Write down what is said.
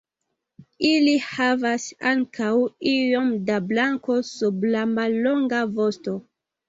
Ili havas ankaŭ iom da blanko sub la mallonga vosto.